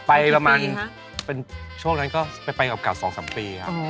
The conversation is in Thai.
ไปประมาณเป็นช่วงนั้นก็ไปกับเก่า๒๓ปีครับ